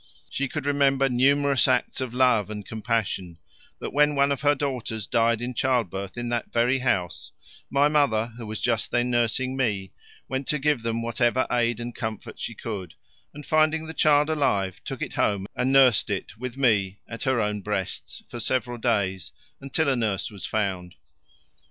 She could remember numerous acts of love and compassion: that when one of her daughters died in childbirth in that very house, my mother, who was just then nursing me, went to give them whatever aid and comfort she could, and finding the child alive, took it home and nursed it, with me, at her own breasts for several days until a nurse was found.